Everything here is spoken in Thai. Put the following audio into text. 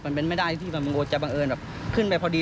มันเป็นไม่ได้ที่จะบังเอิญแบบขึ้นไปพอดี